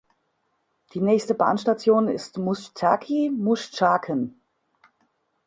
Die nächste Bahnstation ist Muszaki "(Muschaken)".